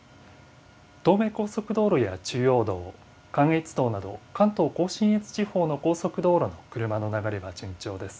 東名高速道路や中央道、関越道など、関東甲信越地方の高速道路も車の流れは順調です。